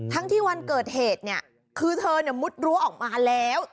ทั้งที่วันเกิดเหตุเนี่ยคือเธอมุดรั้วออกมาแล้ว